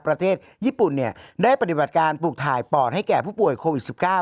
ประเทศญี่ปุ่นได้ปฏิบัติการปลูกถ่ายปอดให้แก่ผู้ป่วยโควิด๑๙